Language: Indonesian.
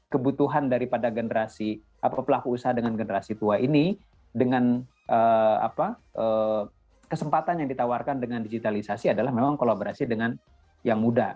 kebutuhan daripada generasi pelaku usaha dengan generasi tua ini dengan kesempatan yang ditawarkan dengan digitalisasi adalah memang kolaborasi dengan yang muda